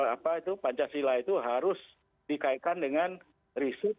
apa itu pancasila itu harus dikaitkan dengan riset